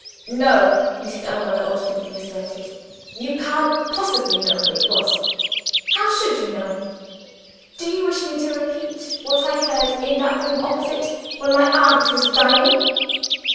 "No," Mrs. Ellmother obstinately asserted, "you can't possibly know who it was! How should you know?" "Do you wish me to repeat what I heard in that room opposite, when my aunt was dying?"